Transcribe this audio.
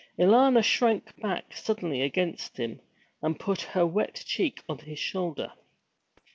Alanna shrank back suddenly against him, and put her wet cheek on his shoulder.